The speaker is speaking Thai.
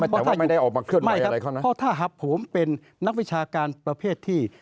แต่ว่าไม่ได้ออกมาเคลื่อนไว้อะไรข้างนั้นไม่ครับเพราะถ้าครับผมเป็นนักวิชาการประเภทที่